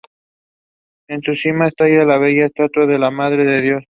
En su cima está la bella estatua de "La Madre de Dios".